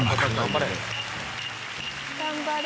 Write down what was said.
頑張れ。